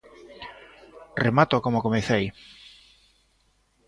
Remato como comecei.